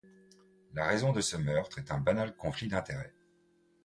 La raison de ce meurtre est un banal conflit d'intérêt.